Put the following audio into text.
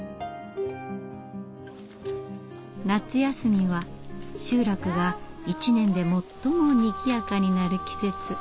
夏休みは集落が一年で最もにぎやかになる季節。